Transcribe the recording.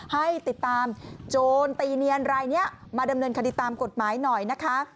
ให้ติดตามโจรตีเนียนรายนี้มาดำเนินคดีตามกฎหมายหน่อยนะคะ